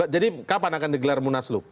jadi kapan akan digelar munas lut